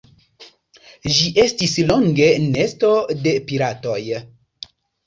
Ĝi estis longe nesto de piratoj.